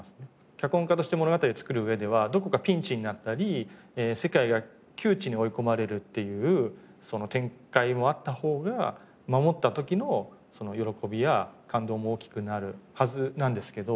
脚本家として物語をつくる上ではどこかピンチになったり世界が窮地に追い込まれるっていう展開もあった方が守った時の喜びや感動も大きくなるはずなんですけど。